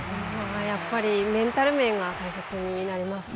やっぱりメンタル面が大切になりますね。